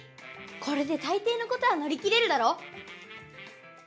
これでたいていのことはのり切れるだろ？